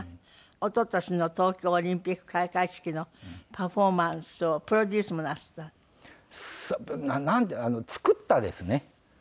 一昨年の東京オリンピック開会式のパフォーマンスをプロデュースもなすった？なんて「作った」ですね。